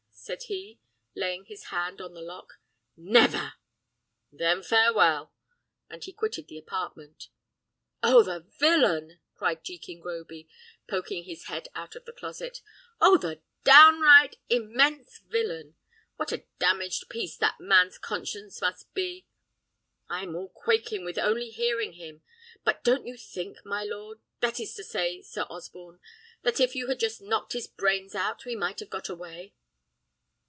said he, laying his hand on the lock. "Never!" "Then farewell!" and he quitted the apartment. "Oh, the villain!" cried Jekin Groby, poking his head out of the closet. "Oh, the downright, immense villain! What a damaged piece that man's conscience must be! I'm all quaking with only hearing him. But don't you think, my lord that is to say, Sir Osborne that if you had just knocked his brains out, we might have got away?"